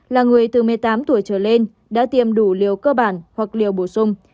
là người từ một mươi tám tuổi trở lên đã tiêm đủ liều cơ bản hoặc liều bổ sung